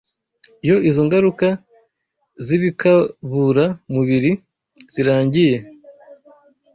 Iyo izo ngaruka z’ibikaburamubiri zirangiye